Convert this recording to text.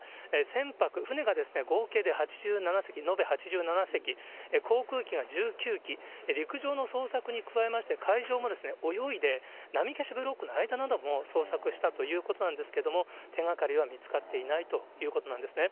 船舶、船が合計で８７隻、延べ８７隻、航空機が１９機、陸上の捜索に加えまして、海上も泳いで、波けしブロックの間なども捜索したということなんですけれども、手がかりは見つかっていないということなんですね。